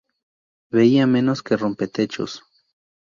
Veía menos que Rompetechos